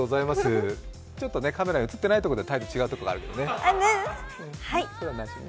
ちょっとカメラで映っていないところでだいぶ違うところがあるね。